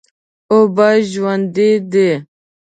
اوبه ژوند دي.